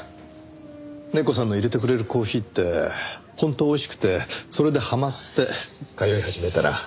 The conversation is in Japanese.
ネコさんの淹れてくれるコーヒーって本当おいしくてそれでハマって通い始めたら。